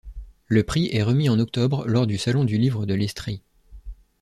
Le prix est remis en octobre lors du Salon du livre de l'Estrie.